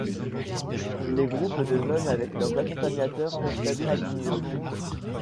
Les groupes de jeunes avec leurs accompagnateurs peuvent être admis aussi.